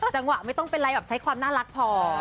จังหวะไม่ต้องเป็นไรแบบใช้ความน่ารักพอ